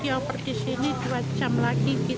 dioper disini dua jam lagi